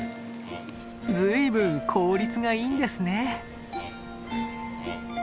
随分効率がいいんですね。